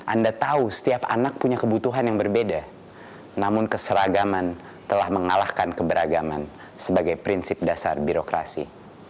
anda tahu setiap anak punya kebutuhan yang berbeda namun keseragaman telah mengalahkan keberagaman sebagai prinsip dasar birokrasi